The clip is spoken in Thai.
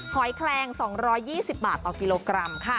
หอยแคลง๒๒๐บาทต่อกิโลกรัมค่ะ